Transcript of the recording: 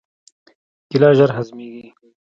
کېله ژر هضمېږي.